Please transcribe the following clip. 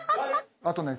あとね